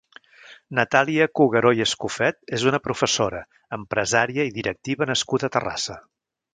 Natàlia Cugueró i Escofet és una professora, empresària i directiva nascuda a Terrassa.